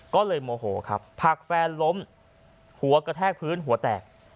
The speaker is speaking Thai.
ก็เลยโมโหครับผลักแฟนล้มหัวกระแทกพื้นหัวแตก